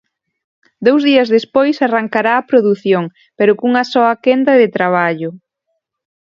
Dous días despois arrancará a produción, pero cunha soa quenda de traballo.